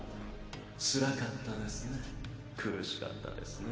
つらかったですね。